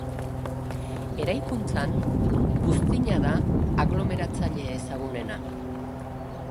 Eraikuntzan buztina da aglomeratzaile ezagunena.